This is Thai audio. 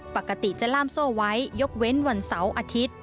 ปกติจะล่ามโซ่ไว้ยกเว้นวันเสาร์อาทิตย์